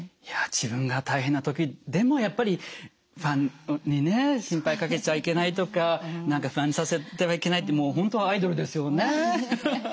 いや自分が大変な時でもやっぱりファンにね心配かけちゃいけないとか何か不安にさせてはいけないってもう本当アイドルですよね。